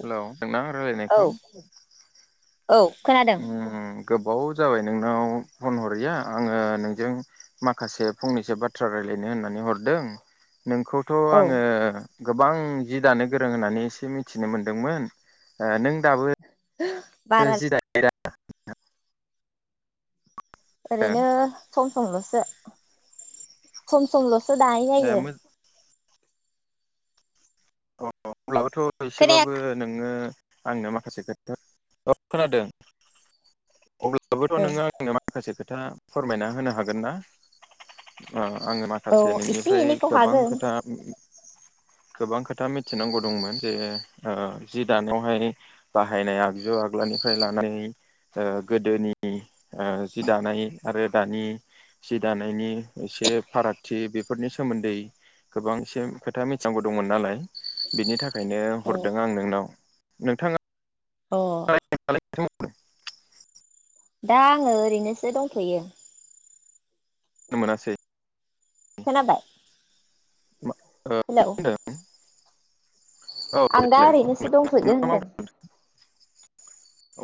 हेल नोंना औ राय्लायनायखौ औ खोनादों गोबाव जाबाय नोंनाव फन हरैया आङो नोंजों माखासे फंनैसो बाथ्रा राय्लायनो होननानै हरदों नोंखौथ औ आङो गोबां जि दानो गोरों होननानै एसे मिथिनो मोनदोंमोन ओ नों दाबो दायो बारा जि दायो दा? [inaudible] ओरैनो सम सम लस सो सम सम लस स दाय जायो ओ अब्लाबोथ खोनाया एसेबाबो नोङो आंनो माखासे खोथा ओ खोनादों अब्लाबोथ' औ नोङो आंनो माखासे खोथा खोथा फोरमायना होनो हागोन ना ओ आङो औ माखासे एसे नोंनिफ्राय एनैखौ गोबां हागोन खोथा गोबां खाोथ मि मिथिनांगौ दंमोन जे ओ जि दानावहाय बाहायनाय आगजु आगलानिफ्राय लानाय ओ गोदोनि ओ जि दानाय आरो दानि जि दानायनि एसे फारागथि बेफोरनि सोमोन्दै गोबां एसे खोथा मिथिनांगौ दंमोन नालाय बेनि थाख ओंखायनो औ हरदों आं नोंनाव। नोंथाङा अह। [unintelligible] दा आङो ओरैनोसो दंथ'यो। खोनो मोनासै। खोनाबाय। मा हेलौ। होनदों औ आं दा देलाय ओरैनोसो बुंलाय दंथ'यो होनदों।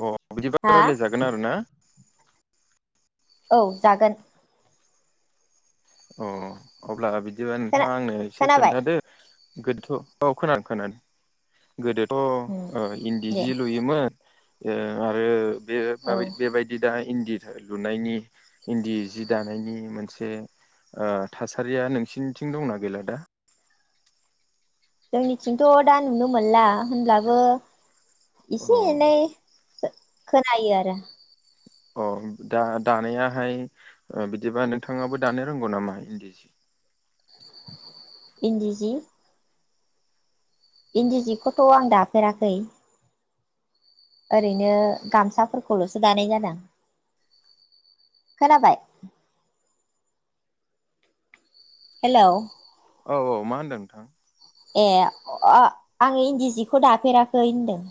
अह। दिबा हा रायलायजागोन आरोना। औ जागोन। अ अब्लाना बिद बिदिबा खोना नोंथाङा आंनो एसे खोनाबाय खोन्थादो। गोदोथ' औ खोना-खोनादों। गोदोथ' उम ओ इन्दि दे जि लुयोमोन। ओ आरो। बे औ बेबायदि दा इन्दि। लुनायनि इन्दि जि दानायनि मोनसे ओ थासारिया नोंसिनिथिं दंना गैला दा। जोंनिथिंथ दा नुनो मोनला होनब्लाबो अ इसे एनै। खो खोनायो आरो। अ दा दानायाहाय ओ बिदिबा नोंथाङाबो दानो रोंगौ नामा इन्दि सि इन्दिजि इन्दि जिखौथ' आं दाफेराखै। ओरैनो गामसाफोरखौलसो दानाय जादां खोनाबाय। हेलौ। औ औ मा होनदों नोंथां? ए अ आङो इन्दि जिखौ दाफेराखै होनदों।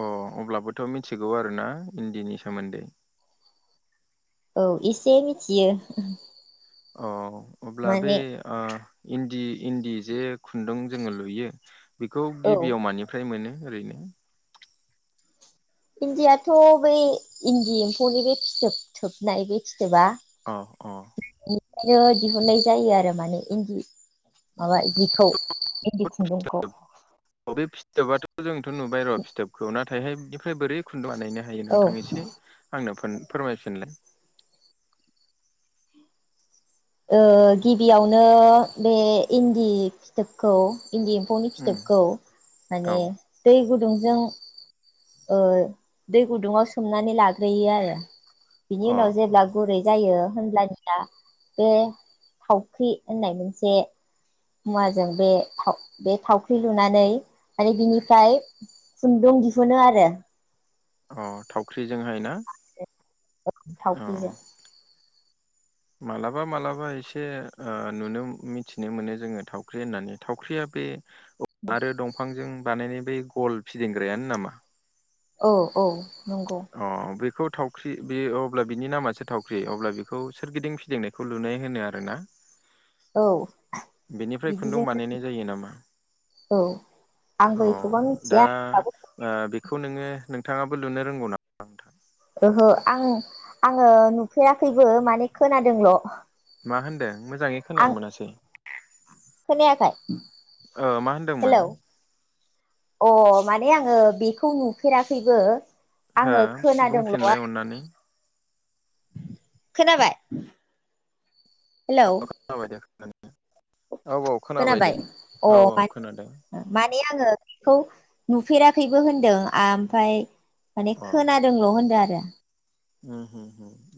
अ अब्लाबोथ' मिथिगौ आरोना इन्दिनि सोमोन्दै। औ इसे मिथियो। अ अब्ला बे माने ओ इन्दि इन्दि जे खुन्दुं जोङो लुयो बेखौ औ गिबियाव मानिफ्राय मोनो? ओरैनो इन्दियाथ' बै इन्दि एम्फौनि बे फिथोब थोबनाय बे अ-अ बिनिफ्रायनो दिहुननाय जायो आरो माने इन्दि माबा जिखौ इन्दि खुन्दुंखौ बे फिथोबाथ' जोंथ' नुबाय र' फिथोबखौ नाथायहाय बेनिफ्राय बोरै खुन्दुं बानायनो हायो औ नोंथां? एसे आंनो फोर फोरमाय फिनलाय ओ गिबियावनो बे इन्दि फिथोबखौ इन्दि एम्फौनि उम फिथोबखौ औ माने दै गुदुं गुदुंजों ओ दै गुदुङाव सोमनानै लाग्रोयो आरो बिनि अ उनाव अ जेब्ला गुरै जायो होनब्लानिया बे थावख्रि होननाय मोनसे मुवाजों बे थाव बे थावख्रि लुनानै माने बिनिफ्राय खुन्दुं दिहुनो आरो अ थावख्रि जोंहाय ना? अ थावख्रिजों मालाबा मालाबा एसे ओ नुनो मो मिथिनो मोनो जोङो थावख्रि होननानै थावख्रिया बे आरो दंफांजों बानायनाय बे गल फिदिंग्रायानो नामा? औ-औ अ बेखौ थावख्रि बे अब्ला बिनि नामासो थावख्रि, अब्ला बेखौ सोरगिदिं फिदिंनायखौ लुनाय होनो आरोना? औ बेनिफ्राय खुन्दुं बिदिजोंनो बानायनाय जायो नामा? औ अ आंबो एथबां दा मिथिया ओ बेखौ नोङो नोंथाङाबो लुनो रोंगौ नामा नोंथां? ओहो आं आङो नुफेराखैबो माने खोनादोंल। मा होनदों? मोजाङै आं खोनानो मोनासै खोनायाखै ओ मा होनदोंमोन हेलौ अ माने आङो बेखौ नुफेराखैबो हो आङो खोनादोंल' बुंफिनलाय आरो अननानै खोनाबाय हेलौ मानि औ औ खोनाबाय दे औ औ खोनादों ने आङो बेखौ नुफेराखैबो होनदों ओमफाय माने अ खोनादोंल' होनदों आरो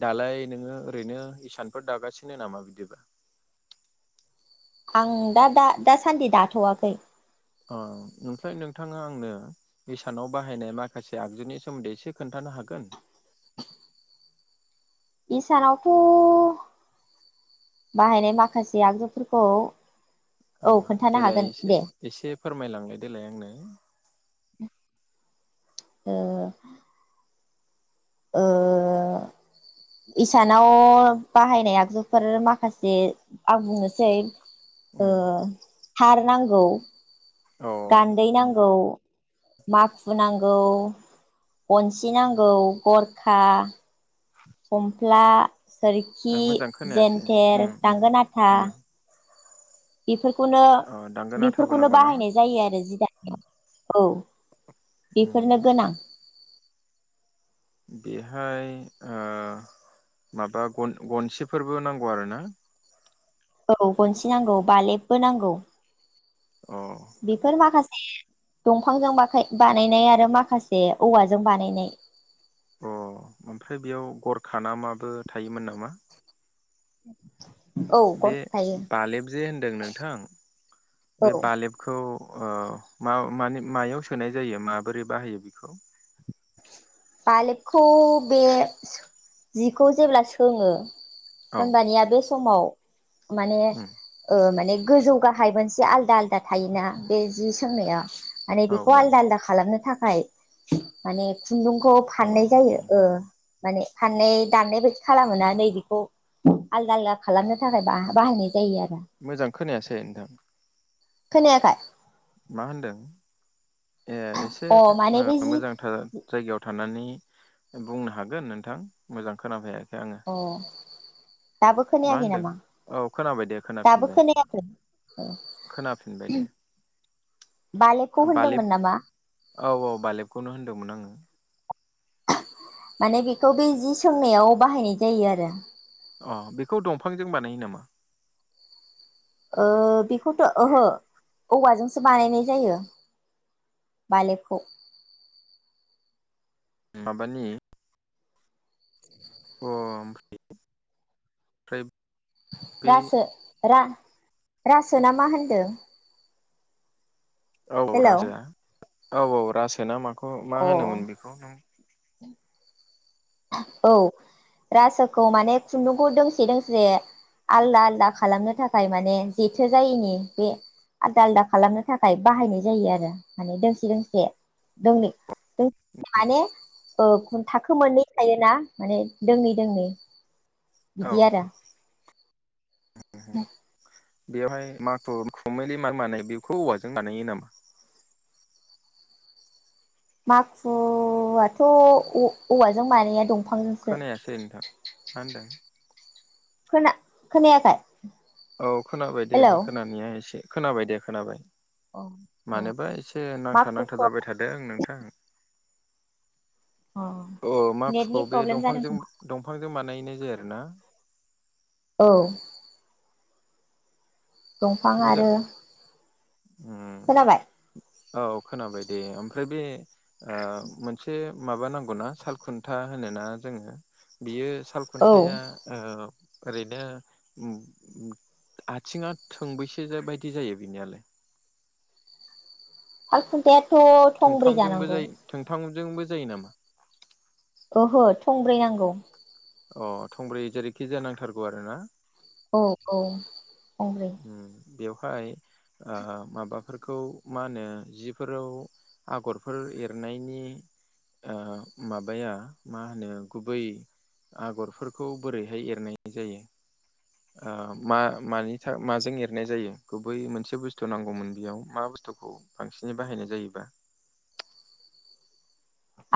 दालाय नोङो ओरैनो इसानफोर दागासिनो नामा बिदिबा आं दा दासान्दि दाथवाखै अ ओमफ्राय नोंथाङा आंनो इसानाव बाहायनाय माखासे आगजुनि सोमोन्दै एसे खोन्थानो हागोन इसानावथ' बाहायनाय माखासे आगजुफोरखौ औ खोन्थानो देलाय हागोन एसे दे एसे फोरमायलांबाय देलाय आंनो ओ ओ इसानाव बाहायनाय आगजुफोर माखासे आं बुंनोसै उम ओ हार नांगौ औ गान्दै उम नांगौ माखु नांगौ गनसि नांगौ गरखा फमफ्ला ओ सोरखि मोजां खोनायासै उम जेन्थेर उम दांगोन आथा उम इफोर खोनो अ दांगोना बेफोरखौनो थाबोनांगौना बाहायनाय जायो आरो जि दा औ औ उम बेफोरनो गोनां बेहाय ओ माबा गन गनसेफोरबो नांगौ आरो ना औ गनसि नांगौ बालेबबो नांगौ अ बेफोर माखासे दंफांजों बानायनाय आरो माखासे औवाजों बानायनाय अ ओमफ्राय बेयाव गरखा ना माबो थायोमोन नामा? [inaudible] बे गरखा थायो बालेब जे होनदों नोंथां बे औ बालेबखौ अ मा माने मायाव सोनाय जायो माबोरै बाहायो बेखौ बालेबखौ बे जिखौ जेब्ला सोङो औ होमबानिया बे समाव [inaudible] माने उम ओ माने गोजौ गाहाय मोनसे आलदा आलदा थायोना बे जि सोंनाया माने औ बेखौ औ आलदा आलदा खालामनो था खाय माने खुन्दुंखौ अ फाननाय जायो उम ओ उम माने फाननै दाननाय बायदि खालामोना नैबेखौ आलदा आलदा खालामनो थाखाय बा-बाहायनाय जायो आर मोजां खोनायासै नोंथां। खोनायाखै? मा होनदों? ए एसे अ माने बे जि मोजांथार जायगायाव थानानै बुंनो हागोन नोंथां मोजां खोनाफैया अ' दाबो मा खोनायाखै होनदों नामा, औ खोनाबाय दे दाबो खोनाफिनबाय खोनायाखै ओ? खोनाफिनबाय दे बालेब औ औ बालेबखौनो होनदोंमोन आङो। माने बेखौ बे जि सोंनायाव बाहायनाय जायो आरो। अ' बेखौ दंफांजों बानायो नामा? ओ बेखौथ' ओहो औवाजोंसो बानायनाय जायो बालेबखौ। माबानि अ- आमफ्राय फ्राय रासो रा-रासो ना मा होनदों? औ हेलौ राजाया। औ औ रासो ना मा खौ मा अ होनोमोन बेखौ नों औ रासोखौ माने खुन्दुंखौ दोंसे दोंसे आलदा आलदा खालामनो थाखाय माने जेथो जायैनि बे आलदा आलदा खालामनो थाखाय बाहायनाय जायो आरो माने दोंसे दोंसे दोंनै [unintelligible] माने ओ खुन्थाखो मोननै थायोना माने दोंनै दोंनै औ बिदि आरो [inaudible] बेवहाय [unintelligible] बेखौ औवाजों बानायो नामा माखुआथ औव-औवाजों बानाया दं खोनायासै नोंथां मा होनदो खोना खोनायाखै औ खोनाबाय दे हेलौ खोनानाया एसे खोनाबाय दे खोनाबाय मानोबा एसे मा नांथा नांथा खुखो जाबाय थादों नों थां अ माखुखौ नेटनि बे प्रब्लेम जादों दंफांजों खोमा दंफांजों बानाय नाय जायो आरोना औ दंफां मोजां आरो उम खोनाबाय औ खोनाबाय दे ओमफ्राय बे ओ मोनसे माबा नांगौनाा सालखुन्था होनोना जोङो बियो साल औ खुन्थाइया ओ ओरैनो उम उम आथिङा थोंबैसे बायदि जायो बिनियालाय साल खुन्थाया थ थंब्रै जानांगौ जोंबो जायो नामा ओहो थंब्रै नांगौ अ थंब्रै जेरैखिजाया नांथारगौ आरो ना औ औ थंब्रै उम बेवहाय आ माबाफोरखौ मा होनो जिफोराव आगरफोर एरनायनि ओ माबाया मा होनो गुबै आगरफोरखौ बोरैहाय एरनाय जायो ओ मा-मानिथा-माजों एरनाय जायो गुबै मोनसे बुस्थु नांगौमोन बियाव मा बुस्थुखौ बांसिनै बाहायनाय जायोबा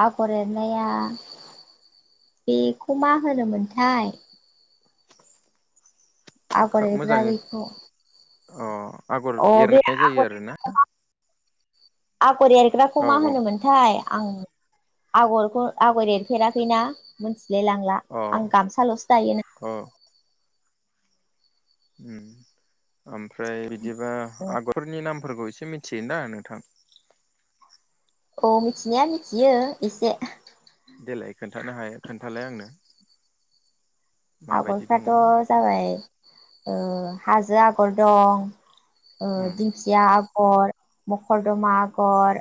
आगर एरनाया बेखौ मा होनोमोनथाय आगर खो एरग्रा मोजाङै बेखौ अ आगर अ बे एरनाय जायो आगर आरोना आगर एरग्राखौ औ मा औ होनोमोनथाय आं आगरखौ आगर एरफेराखैना मोनथि लेलांला अ आं गामसालसो दायोना अ उम ओम फ्राय बिदिबा आगरफोरनि नामफोरखौ एसे एसे मिथियो ना नोंथां अ मिथिनाया मिथियो एसे देलाय खोन्थानो हायो खोन्थालाय आंनो आग माबायदि दङ साथ जाबाय ओ हाजो आगर दं ओ उम दिंखिया आग आगर मखरदमा आगर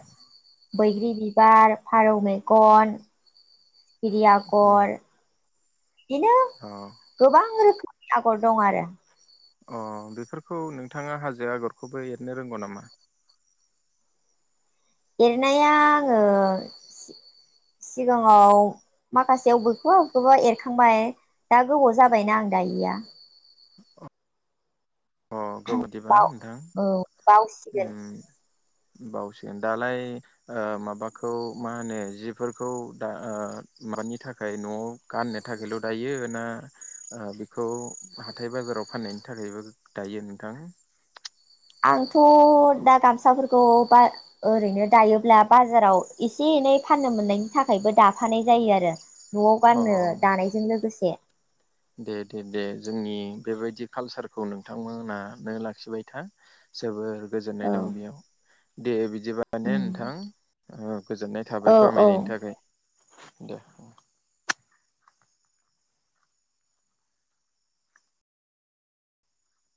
बैग्रि बिबार फारौ मेगन इरि उम आगर बेनो अ गोबां रोखोम आगर दं आरो अ बेफोरखौ नोंथाङा हाजो आगरखौबो एरनो रोंगौ नामा? एरनाया आङो सि-सिगाङाव माखासेयाव अबेखौबा अबेखौबा एरखांबाय दा गोबाव जाबायना आं दायिया। अ गोबावदिबा बाव नोंथां। औ बावसिगोन। उम बावसिगोन दालाय ओ माबाखौ मा होनो जिफोरखौ दा ओ मानि थाखाय नआव गाननो थाखायल दायो ना ओ बेखौ हाथाय बाजाराव फाननायनि थाखायबो दायो नोंथां? आंथ दा गामसाफोरखौ बा ओरैनो दायोब्ला बाजाराव एसे एनै फाननो मोननायनि थाखायबो दाफानाय जायो आरो। नआव अ गाननो दानायजों लोगोसे। दे दे दे जोंनि बेबायदि कालसारखौ नोंथांमोना नो लाखिबाय था जोबोर गोजोननाय दं बेयाव। दे बि दिबा ने नोंथां। औ गोजोननाय औ थाबाय औ फोरमायनायनि थाखाय। दे।